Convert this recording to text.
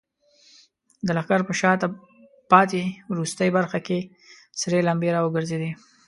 د لښکر په شاته پاتې وروستۍ برخه کې سرې لمبې راوګرځېدې.